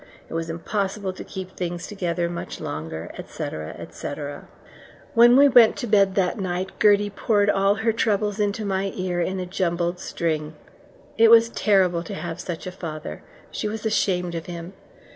It was impossible to keep things together much longer, etc., etc. When we went to bed that night Gertie poured all her troubles into my ear in a jumbled string. It was terrible to have such a father. She was ashamed of him.